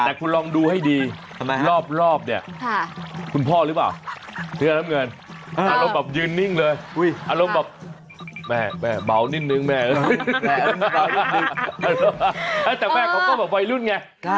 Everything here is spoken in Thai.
แต่คุณลองดูให้ดีรอบเนี่ยคุณพ่อหรือเปล่าเสื้อน้ำเงินอารมณ์แบบยืนนิ่งเลยอารมณ์แบบแม่เบานิดนึงแม่แต่แม่เขาก็แบบวัยรุ่นไง